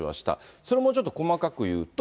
それもちょっと細かく言うと。